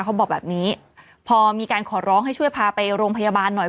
เขาบอกแบบนี้พอมีการขอร้องให้ช่วยพาไปโรงพยาบาลหน่อย